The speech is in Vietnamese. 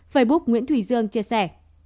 facebook nguyễn thủy dương chia sẻ